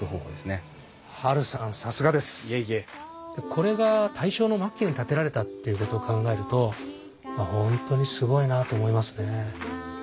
これが大正の末期に建てられたっていうことを考えると本当にすごいなと思いますね。